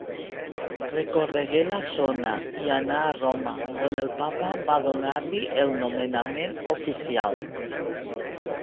Recorregué la zona i anà a Roma, on el papa va donar-li el nomenament oficial.